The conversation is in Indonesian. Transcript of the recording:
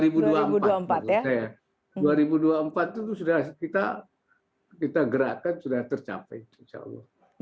dua ribu dua puluh empat itu sudah kita gerakan sudah tercapai insya allah